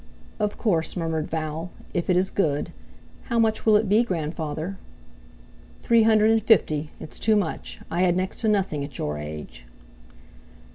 "Of course," murmured Val; "if it is good. How much will it be, Grandfather?" "Three hundred and fifty; it's too much. I had next to nothing at your age."